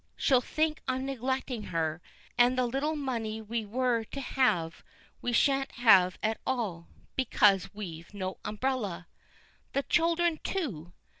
She'll think I'm neglecting her, and the little money we were to have, we shan't have at all because we've no umbrella. "The children, too!